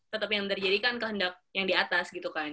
tetapi yang terjadi kan kehendak yang di atas gitu kan